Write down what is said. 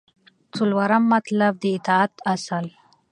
څلورم مطلب : د اطاعت اصل